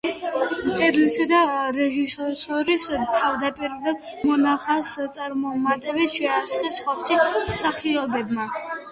მწერლისა და რეჟისორის თავდაპირველ მონახაზს წარმატებით შეასხეს ხორცი მსახიობებმა.